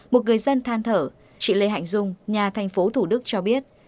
một người dân than thở chị lê hạnh dung nhà thành phố thủ đức cho biết